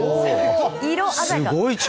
色鮮やか！